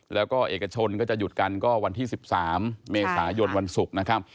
แล้วก็เอกชนก็จะหยุดกันก็วันที่๑๓เมษายนวันศุกร์นะครับ